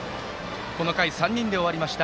この回３人で終わりました。